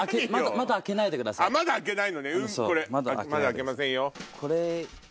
まだ開けませんよ。